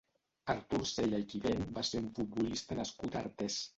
Artur Cella i Quivent va ser un futbolista nascut a Artés.